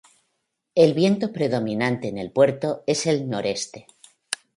El viento predominante en el puerto es el Noreste.